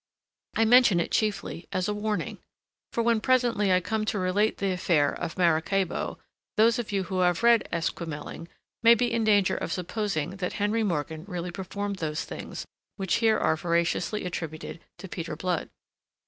I mention it chiefly as a warning, for when presently I come to relate the affair of Maracaybo, those of you who have read Esquemeling may be in danger of supposing that Henry Morgan really performed those things which here are veraciously attributed to Peter Blood.